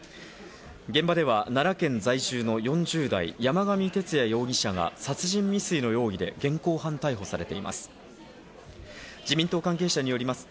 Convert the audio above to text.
現場では奈良県在住の４０代、山上徹也容疑者が殺人未遂の容疑で現行犯逮捕されています。